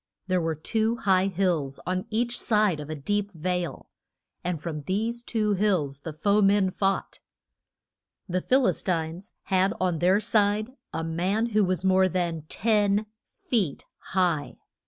There were two high hills on each side of a deep vale, and from these two hills the foe men fought. The Phil is tines had on their side a man who was more than ten feet high.